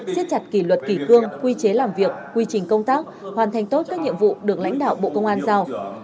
xiết chặt kỷ luật kỷ cương quy chế làm việc quy trình công tác hoàn thành tốt các nhiệm vụ được lãnh đạo bộ công an giao